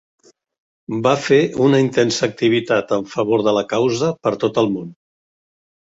Va fer una intensa activitat en favor de la causa per tot el món.